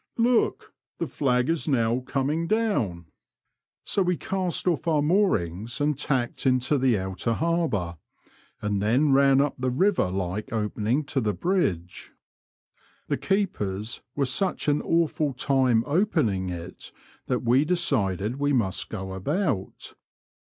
" Look, the flag is now coming down !" So we cast off our moorings and tacked into the Outer Harbour, and then ran up the river like opening to the bridge. The keepers were such an awful time opening it that we decided we must go about.